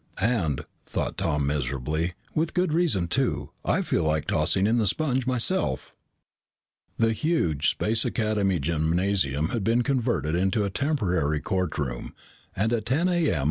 "And," thought Tom miserably, "with good reason too! I feel like tossing in the sponge myself." The huge Space Academy gymnasium had been converted into a temporary courtroom, and at ten A.M.